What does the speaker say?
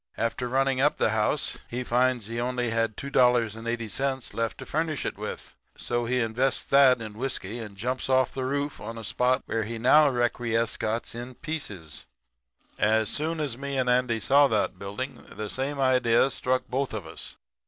After running up the house he finds he only had $2.80 left to furnish it with, so he invests that in whiskey and jumps off the roof on a spot where he now requiescats in pieces. "As soon as me and Andy saw that building the same idea struck both of us.